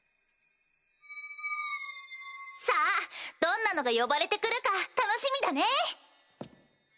さぁどんなのが呼ばれて来るか楽しみだね！